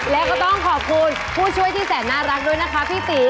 แล้วก็ต้องขอบคุณผู้ช่วยที่แสนน่ารักด้วยนะคะพี่ตี